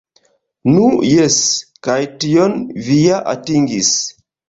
Nu jes, kaj tion vi ja atingis.